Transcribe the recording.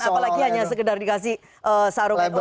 apalagi hanya sekedar dikasih saruk nu